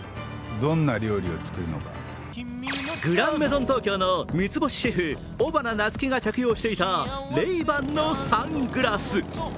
「グランメゾン東京」の三つ星シェフ、尾花夏樹が着用していたＲａｙ−Ｂａｎのサングラス。